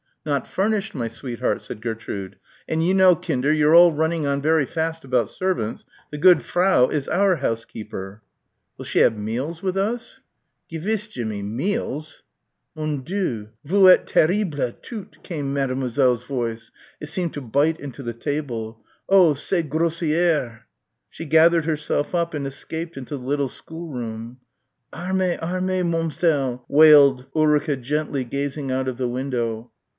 "Not furnished, my sweetheart," said Gertrude, "and you know Kinder you're all running on very fast about servants the good Frau is our housekeeper." "Will she have meals with us?" "Gewiss Jimmie, meals." "Mon Dieu, vous êtes terribles, toutes!" came Mademoiselle's voice. It seemed to bite into the table. "Oh, c'est grossière!" She gathered herself up and escaped into the little schoolroom. "Armes, armes, Momzell," wailed Ulrica gently gazing out of the window.